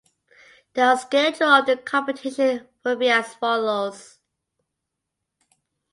The schedule of the competition will be as follows.